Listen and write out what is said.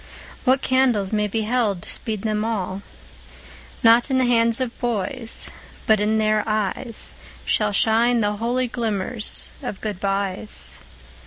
What candles may be held to speed them all? Not in the hands of boys, but in their eyes Shall shine the holy glimmers of goodbyes.